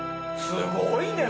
すごいね！